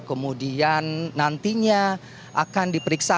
kemudian nantinya akan diperiksa